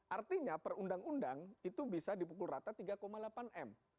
artinya per undang undang itu bisa dipukul rata tiga delapan m